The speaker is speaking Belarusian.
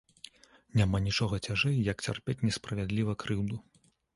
Няма нічога цяжэй, як цярпець несправядліва крыўду.